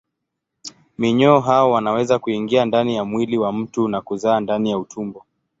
Minyoo hao wanaweza kuingia ndani ya mwili wa mtu na kuzaa ndani ya utumbo.